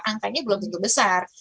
angkanya belum tentu besar